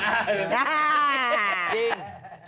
จริง